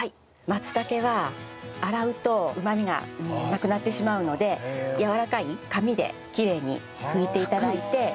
松茸は洗うとうまみがなくなってしまうのでやわらかい紙できれいに拭いて頂いて。